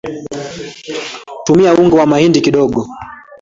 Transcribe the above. tumia unga wa mahindi kidogo